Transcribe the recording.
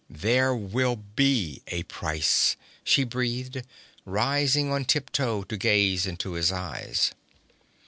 'There will be a price!' she breathed, rising on tiptoe, to gaze into his eyes.